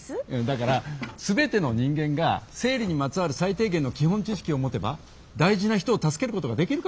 だから全ての人間が生理にまつわる最低限の基本知識を持てば大事な人を助けることができるかもしれない。